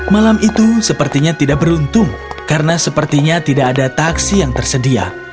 malam itu sepertinya tidak beruntung karena sepertinya tidak ada taksi yang tersedia